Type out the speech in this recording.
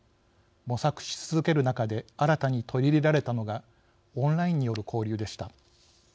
模索し続ける中で新たに取り入れられたのがオンラインによる交流でした。